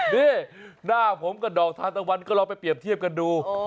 นี่หน้าผมกับดอกทานตะวันก็ลองไปเปรียบเทียบกันดู